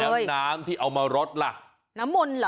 แล้วน้ำที่เอามารดล่ะน้ำมนต์เหรอ